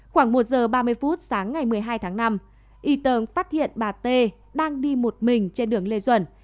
khoảng một giờ ba mươi phút sáng ngày một mươi hai tháng năm y tờ phát hiện bà t đang đi một mình trên đường lê duẩn